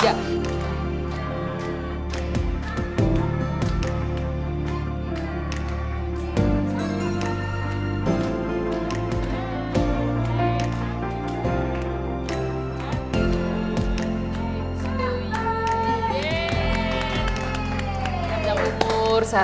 selamat ulang tahun pak bon